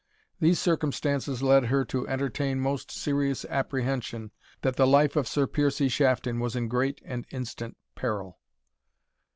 These circumstances led her to entertain most serious apprehension that the life of Sir Piercie Shafton was in great and instant peril.